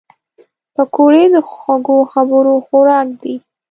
پکورې د خوږو خبرو خوراک دي